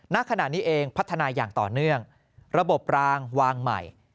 ณขณะนี้เองพัฒนาอย่างต่อเนื่องระบบรางวางใหม่